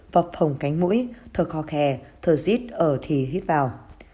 vọp hồng cánh mũi thở kho khe thở rít ở thì hít vào